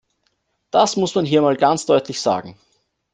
Das muss man hier mal ganz deutlich sagen.